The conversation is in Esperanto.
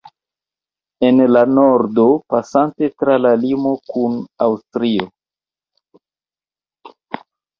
En la nordo, pasante tra la limo kun Aŭstrio.